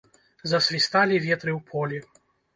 Засвісталі ветры ў полі!